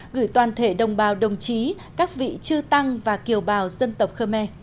gửi toàn thể đồng bào đồng chí các vị trư tăng và kiều bào dân tộc khơ me